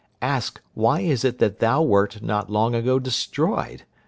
Ask, why is it that thou wert not long ago destroyed?